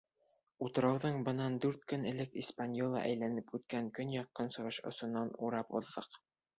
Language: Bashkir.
Утрауҙың бынан дүрт көн элек «Испаньола» әйләнеп үткән көньяҡ-көнсығыш осонан урап уҙҙыҡ.